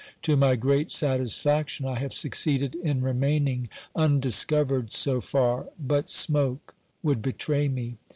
To my great satisfaction I have succeeded in remaining undiscovered so far, but smoke would betray me.